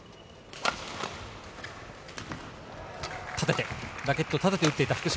立てて、ラケットを立てて打った福島。